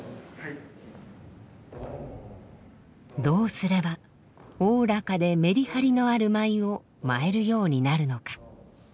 どうすれば大らかでメリハリのある舞を舞えるようになるのか。